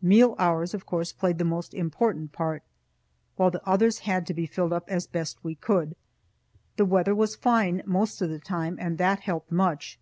Meal hours, of course, played the most important part, while the others had to be filled up as best we could. The weather was fine most of the time and that helped much.